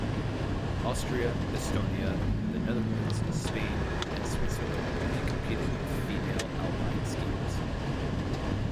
Austria, Estonia, the Netherlands, Spain, and Switzerland only competed with female alpine skiers.